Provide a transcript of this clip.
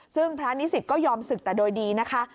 ซึ่งพระนิสิตก็ยอมศึกแต่โดยดีนะคะ